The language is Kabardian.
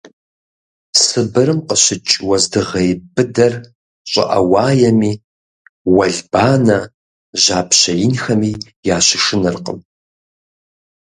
Сыбырым къыщыкӀ уэздыгъей быдэр щӀыӀэ уаеми, уэлбанэ, жьапщэ инхэми ящышынэркъым.